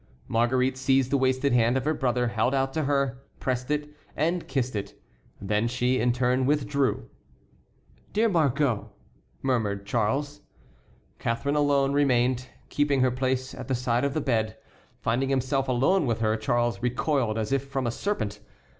Marguerite seized the wasted hand her brother held out to her, pressed it, and kissed it. Then she, in turn, withdrew. "Dear Margot!" murmured Charles. Catharine alone remained, keeping her place at the side of the bed. Finding himself alone with her, Charles recoiled as if from a serpent.